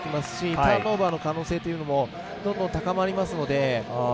ターンオーバーの可能性というのもどんどん高まりますので。